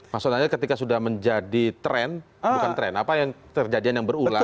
maksudnya ketika sudah menjadi tren bukan tren apa yang terjadian yang berulang